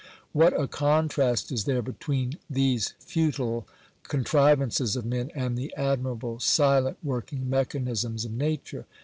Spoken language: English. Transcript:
What a contrast is there between these futile contrivances of men and the admirable, silent working mechanisms of nature